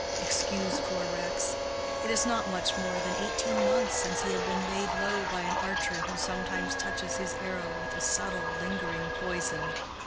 Excuse poor Rex; it was not much more than eighteen months since he had been laid low by an archer who sometimes touches his arrow with a subtle, lingering poison.